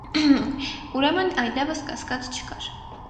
Ուրեմն այլևս կասկած չկար.